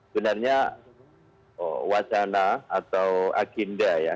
benarnya wacana atau agenda ya